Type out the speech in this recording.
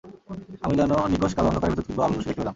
আমি যেন নিকষ কালো অন্ধকারের ভেতর তীব্র আলোর রশ্মি দেখতে পেলাম।